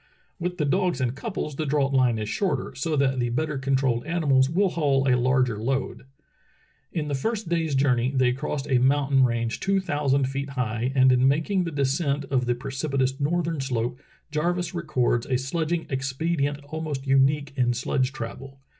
With the dogs in couples the draught line is shorter, so that the better controlled animals will haul a larger load. In the first day's journey they crossed a mountain range two thousand feet high, and in making the de scent of the precipitous northern slope Jarvis records a sledging expedient almost unique in sledge travel.